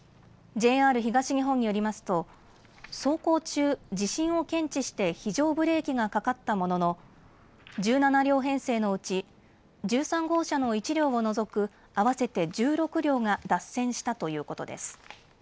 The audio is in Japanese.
ＪＲ東日本によりますと走行中、地震を検知して非常ブレーキがかかったものの１７両編成のうち１３号車の１両を除く合わせて１６両が脱線したということです。